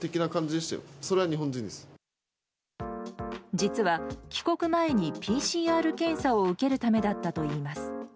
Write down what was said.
実は、帰国前にＰＣＲ検査を受けるためだったといいます。